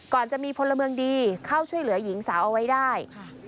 จะมีพลเมืองดีเข้าช่วยเหลือหญิงสาวเอาไว้ได้